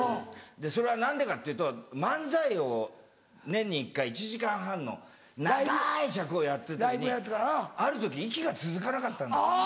それは何でかっていうと漫才を年に１回１時間半の長い尺をやってる時にある時息が続かなかったんですよ